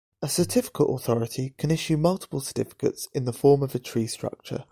A certificate authority can issue multiple certificates in the form of a tree structure.